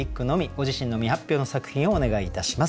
ご自身の未発表の作品をお願いいたします。